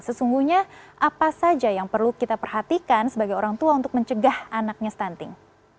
sesungguhnya apa saja yang perlu kita perhatikan sebagai orang tua untuk mencegah anaknya stunting